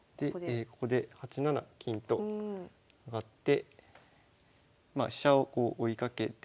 ここで８七金と上がって飛車をこう追いかけて。